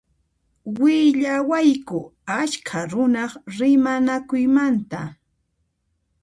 Willawayku askha runaq rimanakuymanta.